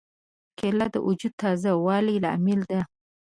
کېله د وجود د تازه والي لامل ده.